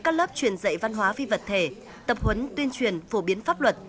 các lớp truyền dạy văn hóa phi vật thể tập huấn tuyên truyền phổ biến pháp luật